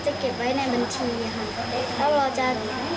ก็จะเก็บไว้ในบัญชีครับ